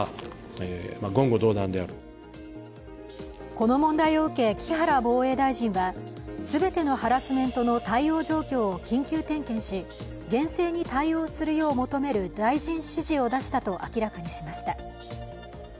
この問題を受け、木原防衛大臣は全てのハラスメントの対応状況を緊急点検し厳正に対応するよう求める大臣指示を出したと明らかにしました。